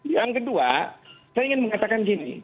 yang kedua saya ingin mengatakan gini